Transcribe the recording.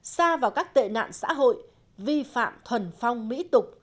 xa vào các tệ nạn xã hội vi phạm thuần phong mỹ tục